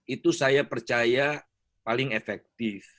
itu saya percaya paling efektif